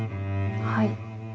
はい。